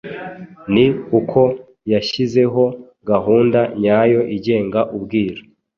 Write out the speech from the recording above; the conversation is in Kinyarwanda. ni uko yashyizeho gahunda nyayo igenga ubwiru,